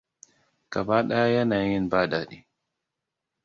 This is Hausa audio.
Gaba ɗaya yanayin ba daɗi.